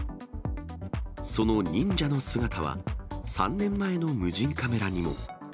その忍者の姿は、３年前の無人カメラにも。